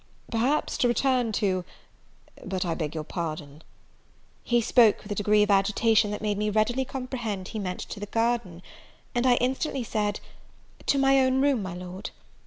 "Perhaps to return to but I beg your pardon!" He spoke with a degree of agitation that made me readily comprehend he meant to the garden; and I instantly said, "To my own room, my Lord."